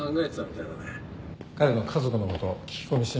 彼の家族のこと聞き込みしてみるよ。